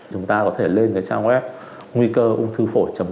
chúng ta có thể lên cái trang web nguycơungthufổi com